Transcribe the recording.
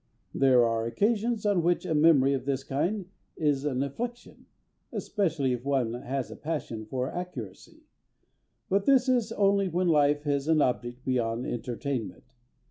There are occasions on which a memory of this kind is an affliction, especially if one has a passion for accuracy. But this is only when life has an object beyond entertainment.